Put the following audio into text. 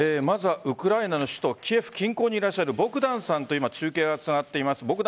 まずウクライナの首都キエフ近郊にいらっしゃるボグダンさんと中継がつながっています。